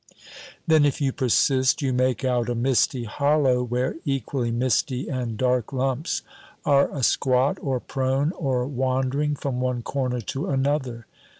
Then, if you persist, you make out a misty hollow where equally misty and dark lumps are asquat or prone or wandering from one corner to another.